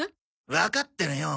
わかってるよ。